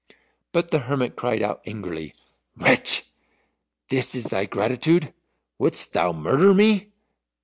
But the hermit cried out angrily, "Wretch! Is this thy gratitude? Wouldst thou murder me?"